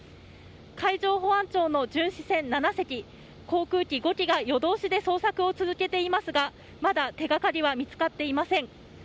海上保安庁の巡視船７隻航空機５機が夜通しで捜索を続けていますがまだ手掛かりは見つかっていません。